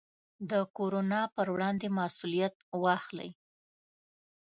د کورونا پر وړاندې مسوولیت واخلئ.